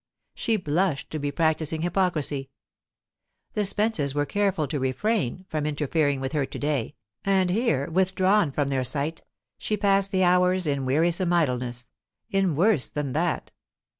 She blushed to be practising hypocrisy; the Spences were careful to refrain from interfering with her to day, and here, withdrawn from their sight, she passed the hours in wearisome idleness in worse than that.